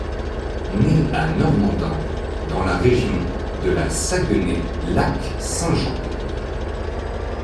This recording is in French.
Né à Normandin dans la région de la Saguenay–Lac-Saint-Jean.